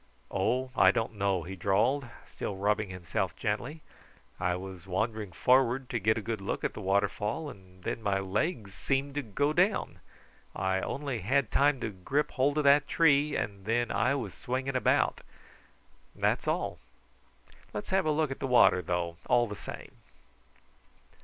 "Oh, I don't know," he drawled, still rubbing himself gently. "I was wandering forward to get a good look at the waterfall, and then my legs seemed to go down. I only had time to grip hold of that tree, and then I was swinging about. That's all. Let's have a look at the water, though, all the same."